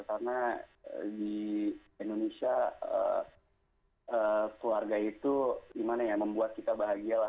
karena di indonesia keluarga itu gimana ya membuat kita bahagia lah